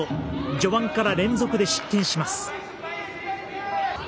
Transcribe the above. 序盤から連続で失点します。